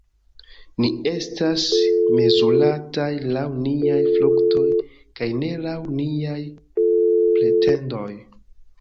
Ni estas mezurataj laŭ niaj fruktoj kaj ne laŭ niaj pretendoj!